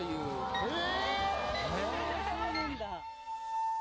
えっ？